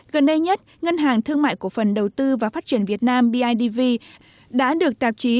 gần đây nhất ngân hàng thương mại cổ phần đầu tư và phát triển việt nam bidv đã được tạp chí